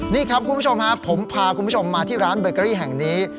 นี่ครับคุณผู้ชมฮะผมพาคุณผู้ชมมาที่ร้านเบเกอรี่แห่งนี้